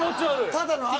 ただの悪。